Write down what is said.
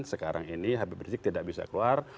sekarang ini habib rizik tidak bisa keluar